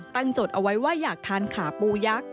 จดเอาไว้ว่าอยากทานขาปูยักษ์